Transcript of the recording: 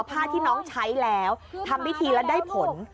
ผ้าที่น้องใช้แล้วทำพิธีแล้วได้ผล